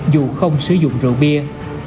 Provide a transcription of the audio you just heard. dù không sử dụng rượu bia